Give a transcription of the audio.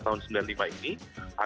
agar pemerintah dan dpr paham bahwa